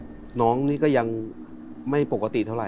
แต่ทุกวันนี้น้องนี่ก็ยังไม่ปกติเท่าไร